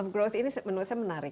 growth ini menurut saya menarik